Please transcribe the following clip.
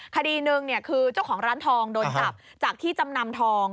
คดีหนึ่งคือเจ้าของร้านทองโดนจับจากที่จำนำทอง